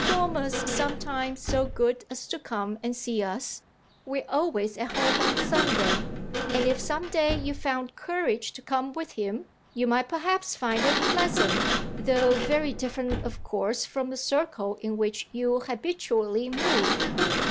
Dormer's sometimes so good as to come and see us we're always at home on Sunday; and if some day you found courage to come with him you might perhaps find it pleasant, though very different of course from the circle in which you habitually move."